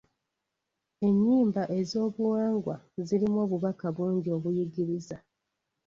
Ennyimba ez'obuwangwa zirimu obubaka bungi obuyigiriza.